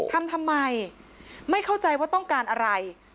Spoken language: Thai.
ทำทำไมไม่เข้าใจว่าต้องการอะไร